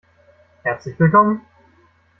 Herzlich willkommen!